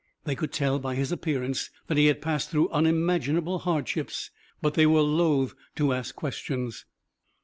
They could tell by his appearance that he had passed through unimaginable hardships, but they were loath to ask questions.